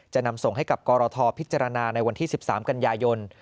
จะนำส่งให้กับกรทพิจารณาในวันที่๑๓กันยายน